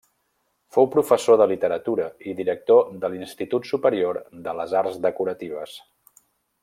Fou professor de literatura i director de l'Institut Superior de les Arts Decoratives.